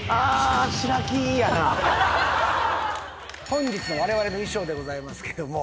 本日のわれわれの衣装でございますけども。